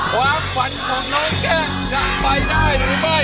ความฝันของน้องแก้มจะไปได้หรือไม่